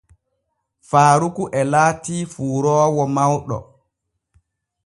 Faaruku e laatii fuuroowo mawɗo.